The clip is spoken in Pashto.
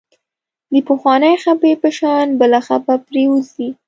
د پخوانۍ خپې په شان بله خپه پرېوځي.